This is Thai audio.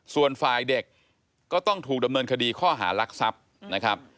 ส่วนฝ่ายเด็กก็ต้องถูกดำเนินคดีข้อหารักทรัพย์นะครับ